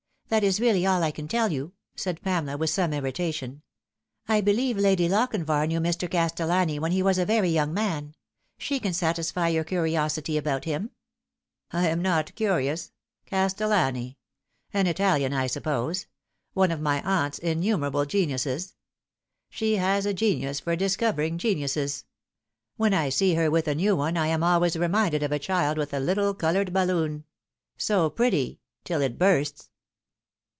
That is really all I can tell you," said Pamela, with some irritation. " I believe Lady Lochinvar knew Mr. Castellani when he was a very young man. She can satisfy your curiqsity about him." " I am not curious. Castellani ? An Italian, I suppose ; one of my aunt's innumerable geniuses. She has a genius for discovering geniuses. When I see her with a new one, I am always reminded of a child with a little coloured balloon. So pretty till it bursts